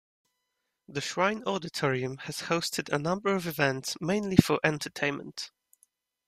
The Shrine Auditorium has hosted a number of events, mainly for entertainment.